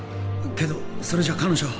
けどそれじゃ彼女は